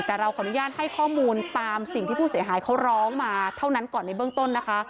แต่เราขออนุญาตให้ข้อมูลตามสิ่งที่ผู้เสียหายเขาร้องมาเท่านั้นก่อนในเบื้องต้นนะคะ